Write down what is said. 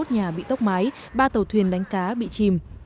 hai trăm ba mươi một nhà bị tốc mái ba tàu thuyền đánh cá bị chìm